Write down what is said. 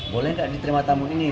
boleh nggak diterima tamu ini